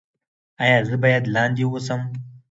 ایا زه باید لاندې اوسم؟